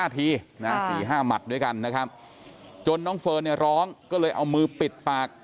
ที๔๕หมัดด้วยกันนะครับจนน้องเฟิร์นเนี่ยร้องก็เลยเอามือปิดปาก